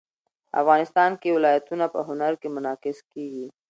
افغانستان کې ولایتونه په هنر کې منعکس کېږي.